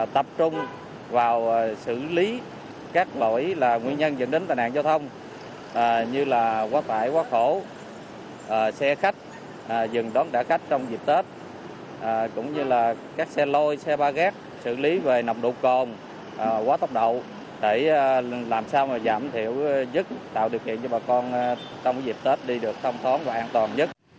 để làm sao giảm thiểu dứt tạo điều kiện cho bà con trong dịp tết đi được thông thoáng và an toàn nhất